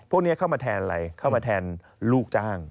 พวกนี้เข้ามาแทนอะไรเข้ามาแทนลูกจ้าง